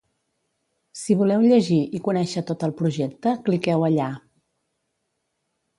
Si voleu llegir i conèixer tot el projecte cliqueu allà.